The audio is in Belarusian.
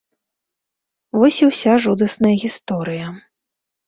Вось і ўся жудасная гісторыя.